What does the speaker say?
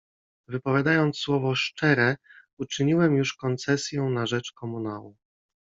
Wypowiadając słowo „szczere”, uczyniłem już koncesję na rzecz komunału.